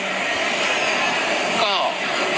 ขนาดยูโรยัมวันสุดท้ายเลยนะครับ